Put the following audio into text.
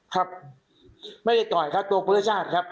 ครับไม่ได้ต่อยครับตกเพื่อชาติครับ